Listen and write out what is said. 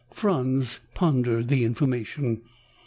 Franz pondered the information.